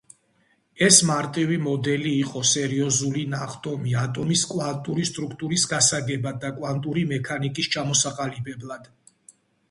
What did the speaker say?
ეს მარტივი მოდელი იყო სერიოზული ნახტომი ატომის კვანტური სტრუქტურის გასაგებად და კვანტური მექანიკის ჩამოსაყალიბებლად.